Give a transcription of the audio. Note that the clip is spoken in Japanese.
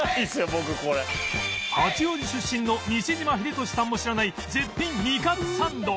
八王子出身の西島秀俊さんも知らない絶品煮かつサンド